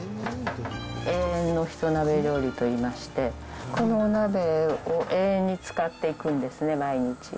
永遠のひと鍋料理といいまして、このお鍋を永遠に使っていくんですね、毎日。